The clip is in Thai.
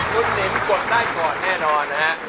คุณหญิงนิ้มคุณกดได้ก่อนแน่นอนนะครับ